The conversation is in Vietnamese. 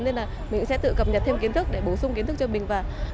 nên là mình cũng sẽ tự cập nhật thêm kiến thức để bổ sung kiến thức cho mình vào